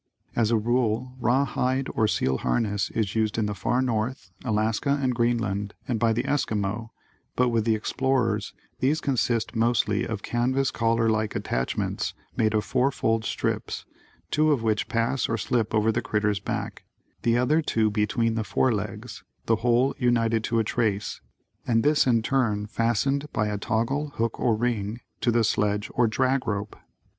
As a rule, rawhide or seal harness is used in the far north, Alaska and Greenland and by the Esquimaux but with the explorers these consist mostly of canvas collar like attachments made of fourfold strips, two of which pass or slip over the critter's back, the other two between the forelegs, the whole united to a trace and this in turn fastened by a toggle, hook or ring to the sledge or drag rope.